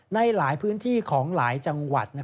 ในหลายพื้นที่ของหลายจังหวัด